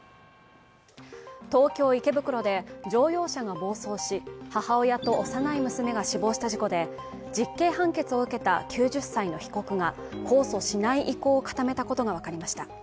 東京・池袋で乗用車が暴走し母親と幼い娘が死亡した事故で実刑判決を受けた９０歳の被告が控訴しない意向を固めたことが分かりました。